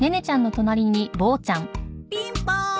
ピンポーン！